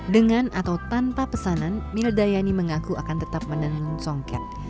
dengan atau tanpa pesanan mil dayani mengaku akan tetap menenun songket